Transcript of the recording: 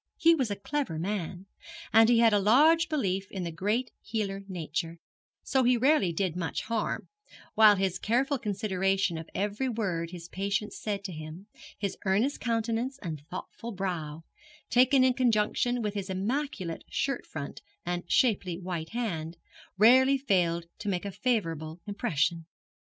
He was a clever man, and he had a large belief in the great healer Nature, so he rarely did much harm; while his careful consideration of every word his patients said to him, his earnest countenance and thoughtful brow, taken in conjunction with his immaculate shirt front and shapely white hand, rarely failed to make a favourable impression.